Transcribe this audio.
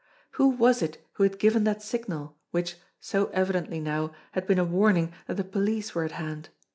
Who was it who had given that signal, which, so evidently now, had been a warning that the police were at hand?